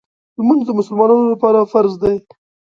لمونځ د مسلمانانو لپاره فرض دی.